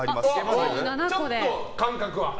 ちょっと感覚は？